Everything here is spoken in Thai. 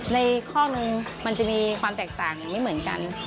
ในข้อนึงมันจะมีความแตกต่างไม่เหมือนกัน